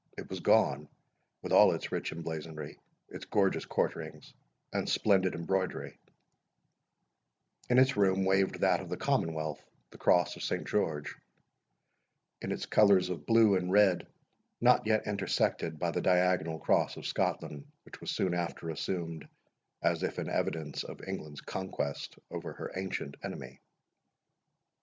It was gone, with all its rich emblazonry, its gorgeous quarterings, and splendid embroidery; and in its room waved that of the Commonwealth, the cross of Saint George, in its colours of blue and red, not yet intersected by the diagonal cross of Scotland, which was soon after assumed, as if in evidence of England's conquest over her ancient enemy.